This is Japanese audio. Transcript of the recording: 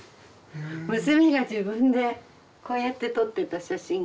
娘が自分でこうやって撮ってた写真が。